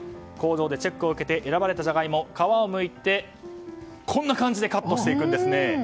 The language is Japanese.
工場でチェックを受けて選ばれたジャガイモ、皮をむいてこんな感じでカットしていくんですね。